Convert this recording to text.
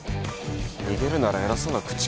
逃げるなら偉そうな口利くな。